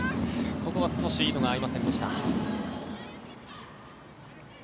ここは少し意図が合いませんでした。